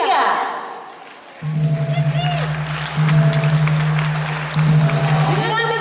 yang lain pun ikhlas